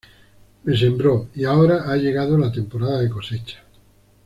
Me sembró, y ahora ha llegado la temporada de cosecha…"